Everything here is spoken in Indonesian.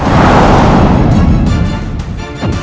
susparv polar parasitologi penuh kekelanian